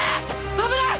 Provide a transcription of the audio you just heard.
危ない！